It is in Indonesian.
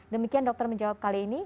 demikian dokter menjawab kali ini